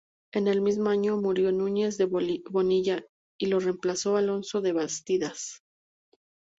En el mismo año murió Núñez de Bonilla y lo reemplazó Alonso de Bastidas.